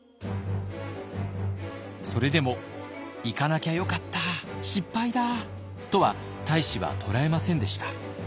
それでも「行かなきゃよかった失敗だ！」とは太子は捉えませんでした。